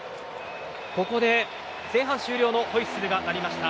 ここで前半終了のホイッスルが鳴りました。